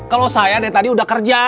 kalau saya dari tadi udah kerja